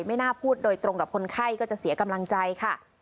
ไม่น่าพูดโดยตรงกับคนไข้ก็จะเสียกำลังใจค่ะ